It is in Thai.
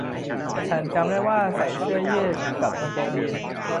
ฉันจำได้ว่าใส่เสื้อยืดกับกางเกงยีนส์